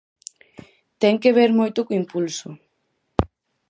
Ten que ver moito co impulso.